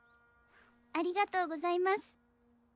ありがとうございます。